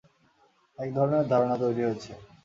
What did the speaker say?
এক ধরনের ধারণা তৈরি হয়েছে।